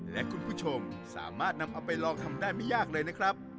และคุณผู้ชมสามารถนำเอาไปลองทำได้ไม่ยากเลยนะครับ